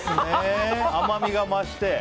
甘みが増して？